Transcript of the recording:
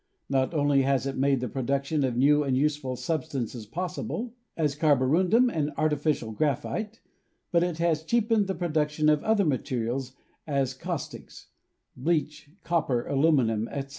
Not only has it made the production of new and useful substances possible, as carborundum and artificial graphite, but it has cheapened the production of other materials, as caustics, "bleach," copper, aluminium, etc.